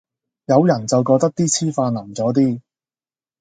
有人就覺得啲黐飯淋咗啲